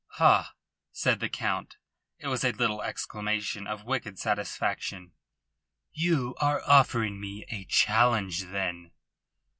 "Ha!" said the Count. It was a little exclamation of wicked satisfaction. "You are offering me a challenge, then?"